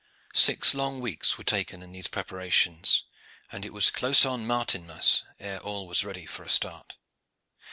Six long weeks were taken in these preparations, and it was close on Martinmas ere all was ready for a start.